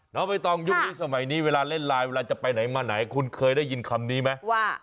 ไม่ต้องยุคนี้สมัยนี้เวลาเล่นไลน์เวลาจะไปไหนมาไหนคุณเคยได้ยินคำนี้ไหมว่า